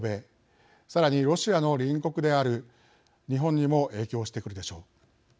さらにロシアの隣国である日本にも影響してくるでしょう。